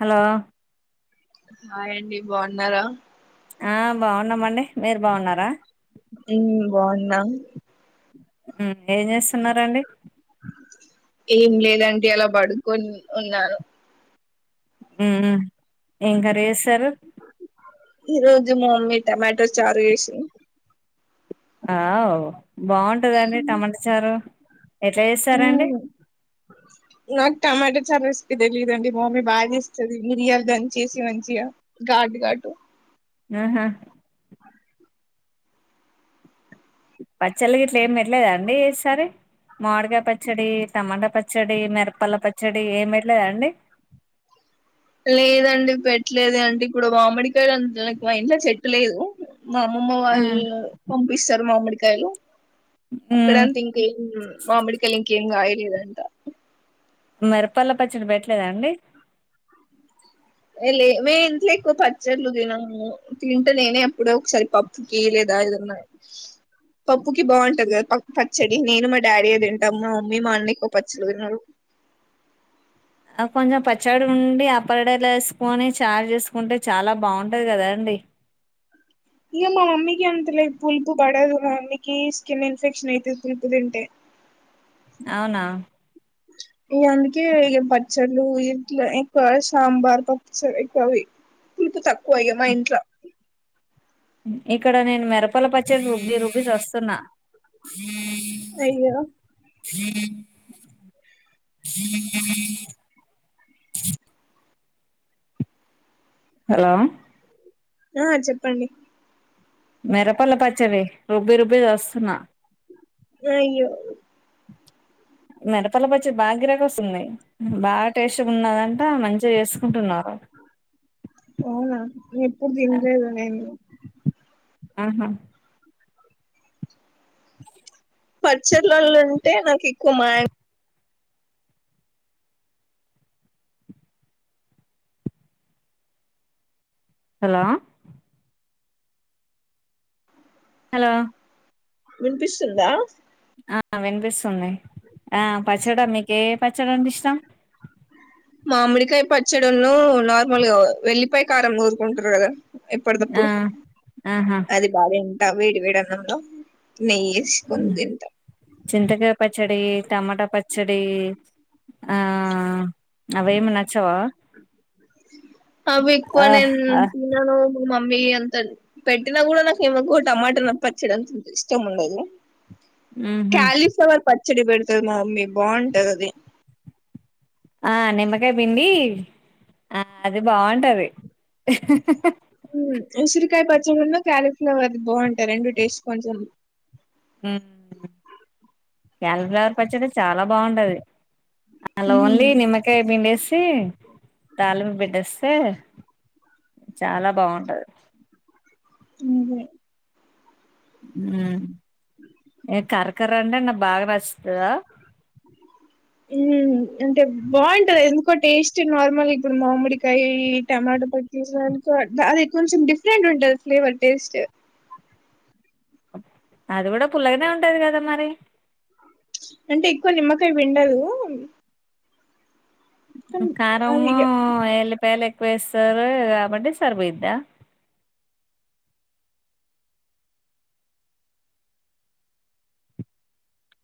Hello హాయండి బాన్నారా ఆ బాగున్నమండి మీరు బావున్నారా ఇ బాగున్నా ఉ ఏం జెస్తున్నారండి ఏం లేదండి అలా బడుకొని ఉన్నాను ఊమ్ ఏం కరి ఏసారు ఈ రోజు మా మమ్మీ టమాటో ఎషింది వావ్ బాగుంటంద అండి టమాటా చారు ఎట్లా చేస్తారండి నాక్ టమాట సారీస్ కి తెలియదండి ఆహా పచ్చళ్ళకి ఇట్లా ఏమి పెట్టలేదా అండి ఏసారి మామిడికాయ పచ్చడి టమాటా పచ్చడి మిరపల్ల పచ్చడి ఏమి పెట్లేదా అండి లేదండి పెట్లేదు అండి ఇప్పుడు మామిడి [unintelligible] లేదు మా అమ్మమ్మ ఆ, వాళ్ళు పంపిస్తారు మామిడి కాయలు ఉమ్, [unintelligible] ఇంకేం గాయలేదంట మిరపల్ల పచ్చడి పెట్టలేదా అండి ఏ లే మేము ఇంట్లో ఎక్కువ పచ్చల్లు తినము తింటే నేనే ఎప్పుడో ఒకసారి పప్పుకి లేదా ఏదన్నా పప్పుకి బాగుంటది కదా పచ్చడి నేను మా డాడీ ఏం తింటాము మా మమ్మీ మా అన్న ఎక్కువ పచ్చళ్ళు తినరు కొంచెం పచ్చడి ఉండి అప్పడాలు వేసుకొని చార్ చేసుకుంటే చాలా బాగుంటది కదా అండి ఇక మా మమ్మీకి అంత లేదు పులుపు పడదు మా మమ్మకి స్కిన్ ఇన్ఫెక్షన్ అయితది పులుపు తింటే అవునా ఇగ అందుకే ఇగ పచ్చళ్ళు ఇంట్లో ఎక్కువ సాంబార్ పప్పు చారు ఎక్కువ అవి పులుపు తక్కువ ఇగ మా ఇంట్లో ఇక్కడ నేను మెరపల పచ్చళ్ళు రుబ్బి రుబ్బి చస్తున్న అయ్యో హ హలో ఆ చెప్పండి మెరపల్ల పచ్చడి రుబ్బి రుబ్బి చస్తున్నా అయ్యో మిరపల్ల పచ్చడి బాగా గిరకి వస్తుంది బాగా టేస్ట్ ఉన్నదంటా మంచిగా చేసుకుంటున్నారు అవునా ఎప్పుడు తినలేదు నేను ఆహా ఆ పచ్చళ్లళో అంటే నాకు ఎక్కువ మ్యాం హలో హలో వినిపిస్తుందా ఆ వినిపిస్తుంది ఆ పచ్చడా మీకు ఏ పచ్చడంటె ఇష్టం మామిడికాయ పచ్చడీను నార్మల్గా వెల్లిపాయ కారం నూరుకుంటారు కదా ఎప్పడి ఆ దప్పుడు ఆహా తింటా వేడి వేడి అన్నంలో నెయ్యి వేసుకొని తింటా చింతకాయ పచ్చడి టమాటా ప పచ్చడి ఆ అవేమి నచ్చవా అవి ఎక్కువ ఆ నేను ఆ తినను మీ అంత పెట్టినా కూడా నాకెందుకో టమాటా పచ్చడి ఇష్టం ఉండదు ఉహు కాలిఫ్లవర్ ప చెడి బెడుతది మా మమ్మీ బాగుంటది అది ఆ నిమ్మకాయ పిండి ఆ అది బాగుంటది ఉసిరికాయ పచ్చడి ఉన్ను క్యాలీఫ్లవర్ బాగుంటాయి రెండు టేస్ట్ కొంచెం ఉ కాలిఫ్లవర్ పచ్చడి చాలా బాగుండది అలా ఓన్లీ ఉమ్ నిమ్మకాయ్ బిండేస్ తే తాళింపూ పెట్టేస్తే చాలా బాగుంటది నువ్వే ఉ ఏ కార్ ఇక్కరండి అన్న బాగా నచ్చుతదా ఉ అంటే బాగుంటది ఎంద్ కో టేస్ట్ నార్మల్ ఇప్పుడు మామిడికాయి టమాటో కొటిం [unintelligible] కొంచెం డిఫరెంట్ ఉంటది ఫ్లేవర్ టేస్ట్ అది కూడా పుల్లగానే ఉంటది కదా మరి అంటే ఎక్కువ నిమ్మకాయ విండదు కారమ్ము ఎల్లిపాయలు ఎక్ వేస్ సారు కాబట్టి సార్ బోయిందా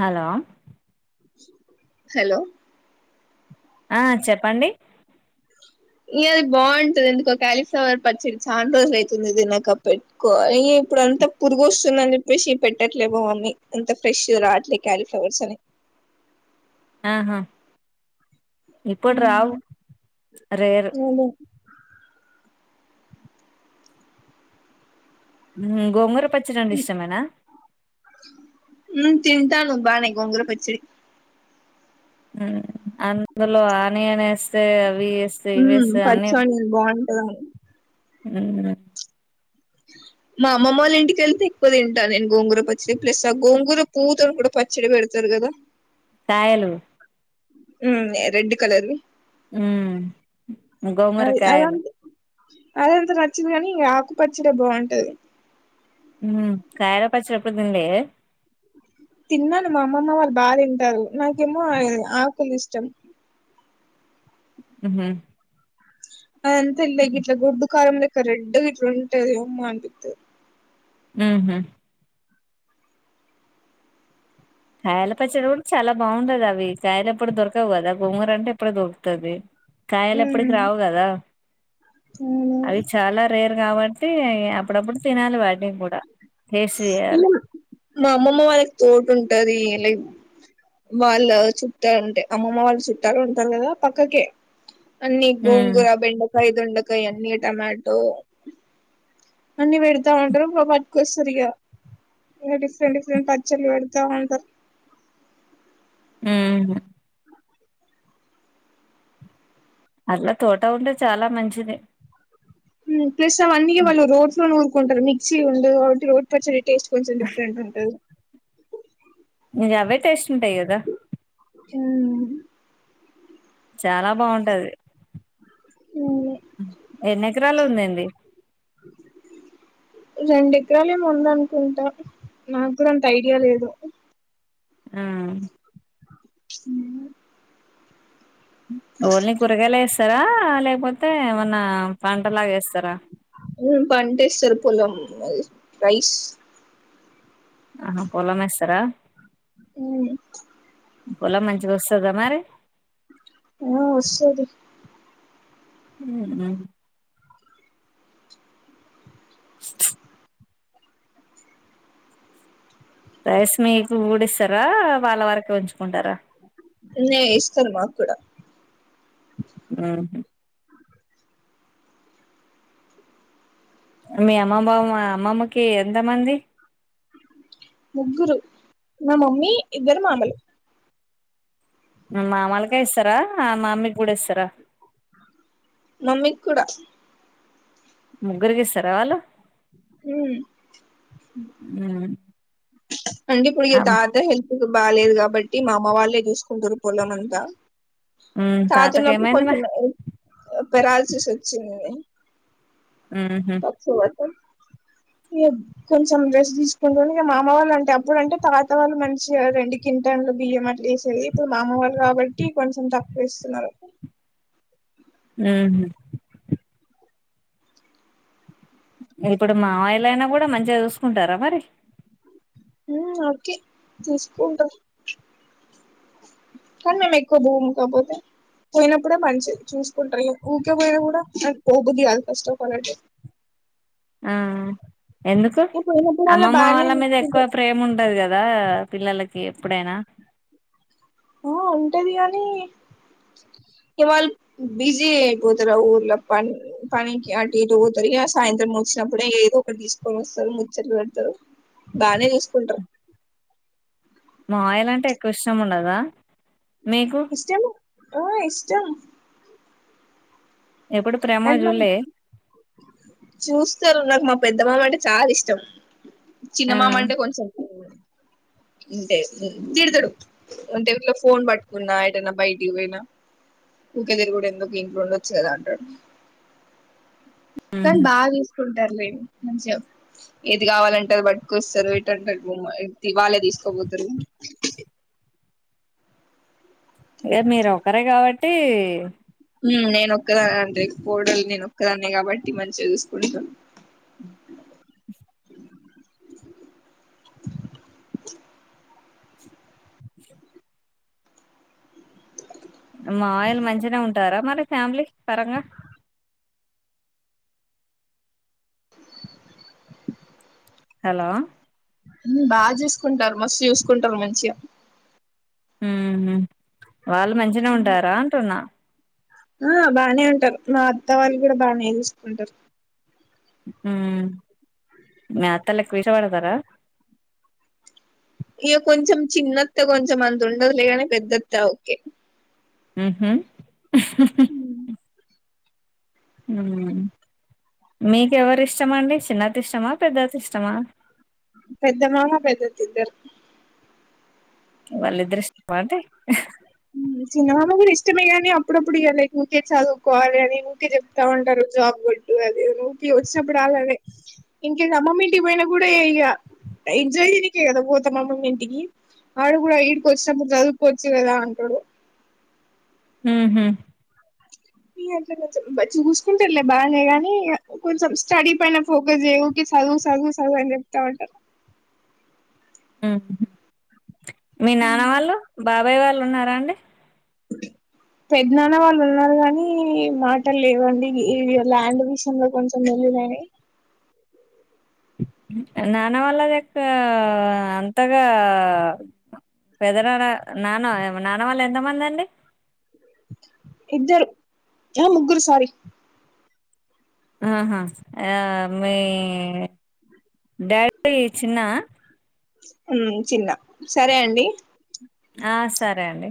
హలో హలో ఆ చెప్పండి ఇగ అది బాగుంటది ఎందుకో క్యాలీఫ్లవర్ పచ్చడి చాన్ రోజులు అయితుంది తినగ పెట్టుకోవాలి ఈ ఇప్పుడు అంతా పురుగు వస్తుందని చెప్పేసి పెట్టట్లే మా మమ్మీ అంత ఫ్రెష్ రావట్లేదు క్యాలీఫ్లవర్స్ అని ఆహా ఇప్పుడు రావ్ రేర్ ఉమ్ ఉ గోంగూర పచ్చడి ఇష్టమేనా ఉ తింటాను బానే గోంగూర పచ్చడి అందులో ఆనియన్ ఎస్తే ఉ పచ్చోని బాన్ ఏదాం అ మా అమ్మమ్మ వొళ్ళ ఇంటి కెల్లతే ఎక్కువ తింటాను నేను గోంగూర పచ్చడి ప్లస్ ఆ గోంగూర పూవుతోని కూడా పచ్చడి వెడుతారు గదా దాయలు ఉ రెడ్ కలర్ వీ ఉ అది గోమరకాయలు అదంత నచ్చింది గానీ ఇగ ఆకుపచ్చడే బాగుంటది ఉ కాయార పచ్చడి ఎప్పుడు దీన్ లే తిన్నాను మా అమ్మమ్మ వాళ్ళు బాగా తింటారు నాకేమో ఆకులు ది ఇష్టం ఉహు అది అంత ఇల్లే గిట్లా గుడ్ కారం లే కరెడ్ కట్లంటద మాంపితే ఆహమ్ కాయల పచ్చడి కూడా చాలా బాగుంటది అవి కాయలు ఎప్పుడు దొరకవు కదా గుంగర అంటే ఎప్పుడ దొరుకుతుది కాయలప్పటికి ఉమ్ రావు కదా అవును అవి చాలా రే కాబట్టి అప్పుడప్పుడు తినాలి వాడ్డి కూడా టేస్ట్ ఇక చేయాలి మా అమ్మమ్మ వాళ్ళకి తోట ఉంటది వాళ్ళ చుట్టాలు ఉంటే అమ్మమ్మ వాళ్ళు చుట్టాలు ఉంటారు కదా పక్కకే అన్ని మ్మ్ గోంగుర బెండ పైదుండకాయ ఎన్నీ టొమాటో అన్ని పెడతా ఉంటారు సరిగా డిఫరెంట్ డిఫరెంట్ పచ్చలు పెడతా ఉంటారు ఉ అట్లా తోట ఉంటే చాలా మంచిది హ ప్ అన్నీ వాళ్ళు రోడ్స్ ంటారు మిక్సి ఉం ఒకటి రోడ్ పచ్చ టేస్ట్ కొంచెం డిఫరెంట్ ఉంటుది ఇ అవే టేస్ట్ ఉంటాయి కదా అ చాలా బాగుంటది ఎన్ని ఎకరాలు ఉందండి అ రెం ఎకరలుేమ ఉందనుకుంటా నాకు కూడా అంత ఐడియా లేదు హ్మ్. హ్మ్. ఓల్ని కూరగాసే. స్తార లేకపోతే ఏమన్నా పంట. పండిస్తం పొలం. రైస్. ఆహా పొలమేస్తరా. హ్మ్. పొలా మంచి వస్తుదా మరీ. ఆహా వస్తాది. హ్మ్. చుచ్. రైస్ మీకు ఊడి ఇస్తారా వాళ్ళ వరకు ఉంచు. లే ఇస్తున్న. కూడ హ్మ్ మీ అమ్మ బామ్మ అమ్మమ్మకి ఎంత మంది. ముగ్గురు నా మమ్మీ ఇద్దరు మామలు. మామలుగా ఇస్తారా, ఆ మమ్మీ కూడా ఇస్తారా. మమ్మీకి కూడా. ముగ్గురికి ఇస్తార వాళ్ళు. హ్మ్ హ్మ్ టుక్ అండి ఇప్పుడు తాతయ్య హే ఇగు బాలేదు కాబట్టి మా అమ్మ వాళ్ళే చూసుకుంటారు పొలం అంత. తాత తాతకి ఉన్నప్పుడు ఏమైంది కొంచం మరి పెరాల్సిస్ వచ్చింది ఉహు కొంచం రెస్ట్ తీసుకుంటూ మా అమ్మ వాళ్ళు అంటే అప్పుడు అంటే తాత వాళ్ళు మంచిగా రెండు కింటన్లు బియ్యం అట్లా వేసేది. ఇప్పుడు మామ వాళ్ళు కాబట్టి కొంచం తక్కువ ఇస్తున్నారు. ఉహు ఇప్పుడు మామయ్యలు అయినా కూడా మంచిగా చూసుకుంటారా మరి. ఉ ఓకే చూసుకుంటారు. కాని మేము ఎక్కువ భూము కాకపోతే పోయినప్పుడే మంచి చూసుకుంటారు. ఊరికే పోయినా కూడా మాకు పోబుది కాదు ఫస్ట్ ఆఫ్ అటు. ఆ ఎందుకు ఇగ పోయినప్పుడల్లా అమ్మమ్మ బానే వాళ్ళ మీద ఎక్కువ చూసుకుంటారు ప్రేమ ఉంటాది కదా. పిల్లలకి ఎప్పుడైనా ఆ ఉంటాది కానీ, ఇ వాళ్ళు బిజీ అయిపోతారు. ఆ ఊర్లో పని పనికి అటు ఇటు పోతారు ఇక సాయంత్రం వచ్చినప్పుడే ఏదో ఒకటి తీసుకొని వస్తారు. ముచ్చట పెడతారు బాగానే తీసుకుంటారు. మావయ్యలు అంటే ఎక్కువ ఇష్టం ఉండదా. మీకు ఇష్టమె ఆ ఇష్టం ఎప్పుడు ప్రేమోగా అంటే నాకు జులే చూస్తారు నాకు మా పెద్దమమ అంటే చాలా ఇష్టం. ఆ చిన్నమామ అంటే కొంచెం అంటే తిడతాడు అంటే ఇట్లా ఫోన్ పట్టుకున్నా ఎటనా బయటికి పోయినా, ఊకదురు కూడా ఎందుకు ఇంట్లో ఉండొచ్చు కదా అంటడు. కనీ ఉహు బవిస్ ఉంటారు లె మంచిం ఏది కావాలంటారు బట్కు ఇస్తారు వటంట. వాళ్ళే తీసుకోపోతారు. ఇ మీరు ఒకరే కాబట్టి నేనొక్కద అంటే కోడలు నేను ఒక్కదాన్న కాబట్టి మంచిగా చూసుకుంటాను. ఉహ్న్ మాయిలు మంచినే ఉంటారా మరి ఫ్యామిలీ పరంగా హలో బాగా చూసుకుంటారు మస్తు చూసుకుంటారు మంచిగా ఉమ్ ఉ వాళ్ళు మంచిన ఉంటారా అంటున్నా ఆ బానే ఉంటారు మా అత్త వాళ్ళు కూడా బాగానే తెలుసుకుంటారు ఉ మత లెక్ వీష పడతారా ఇక కొంచెం చిన్నత్త కొంచెం అంత ఉండదులేగానే పెద్దత్త ఓకే ఆ హమ్ ఉహు హు హు ఉమ్ మైక్వార్ ఇష్టమ అండి చిన్నది ఇష్టమా పెద్దది ఇష్టమా పెద్ద మాగా పెద్ద తద్దరు వాళ్ళద్రష్ట మాంట చిన్నమామ కూడా ఇష్టమే కానీ అప్పుడప్పుడు ఇక లైక్ ఊకే చదువుకోవాలి అని ఊకే చెప్తా ఉంటారు జాబ్ కొట్టు అద నువ్కి వచ్చినప్పుడు అలాదే ఇన్కస్ అమ్మమ్మ ఇంటికి పోయినా కూడా ఇక ఎంజాయ్ చేనికే కదా పోతాం అమ్మమ్మ ఇంటికి వాడు కూడా వడికి వచ్చినప్పుడు చదువుకోవచ్చు కదా థేడ్ ఉహు అంటే చూసుకుంటారులే బాగానే గానీ కొంచెం స్టడీ పైన ఫోకస్ చేయ ఊకి చదువు చదువు చదువు అని చెప్తా ఉంటారు ఉహుమ్ మీ నాన్న వాళ్ళు బాబ అభయవాళ్ళు ఉన్నారా అండి పెద్దనాన్న వాళ్ళు ఉన్నారు కానీ మాటలు లేవండి ల్యాండ్ విషయంలో కొంచెం తెలిదని నాన్నవాళ్ళక్క అంతగా పెదర నాన నానవాళ్ళ ఎంతమంది అండి ఇద్దరు ఆ ముగ్గురు సార ఆహా ఆ మీ డాడీ చిన్న చిన్న సరే అండి ఆ సరే అండి